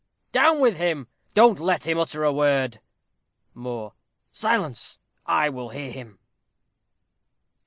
_ Down with him. Don't let him utter a word. Moor. Silence, I will hear him.